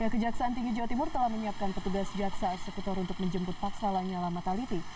kejaksaan tinggi jawa timur telah menyiapkan petugas jaksa eksekutor untuk menjemput paksa lanyala mataliti